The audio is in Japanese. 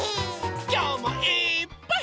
きょうもいっぱい。